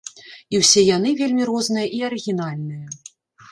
І ўсе яны вельмі розныя і арыгінальныя.